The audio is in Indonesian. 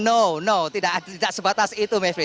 no no tidak sebatas itu mayfrey